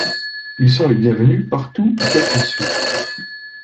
Ils sont les bienvenus partout où quelqu'un souffre.